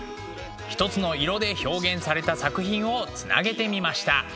ひとつの色で表現された作品をつなげてみました。